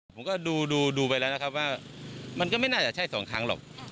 ผมก็ดูไปแล้วนะครับว่ามันก็ไม่น่าจะใช่สองครั้งหรอก